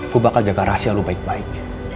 gue bakal jaga rahasia lo baik baik